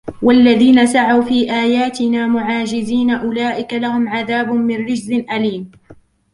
والذين سعوا في آياتنا معاجزين أولئك لهم عذاب من رجز أليم